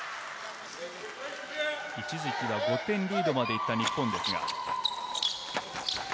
一時期は５点リードまで行った日本ですが。